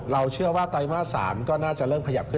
เชื่อว่าไตรมาส๓ก็น่าจะเริ่มขยับขึ้น